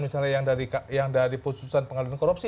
misalnya yang dari putusan pengadilan korupsi